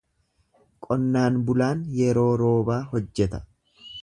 Qonnaan bulaan yeroo roobaa hojjeta.